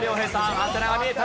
ハテナが見えた！